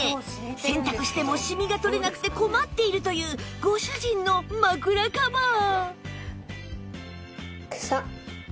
洗濯してもシミが取れなくて困っているというご主人の枕カバー